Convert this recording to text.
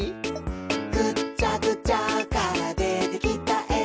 「ぐっちゃぐちゃからでてきたえ」